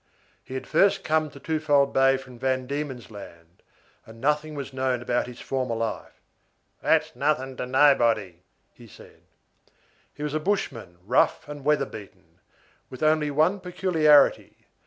He had first come to Twofold Bay from Van Diemen's Land, and nothing was known about his former life. "That's nothing to nobody," he said. He was a bushman, rough and weather beaten, with only one peculiarity.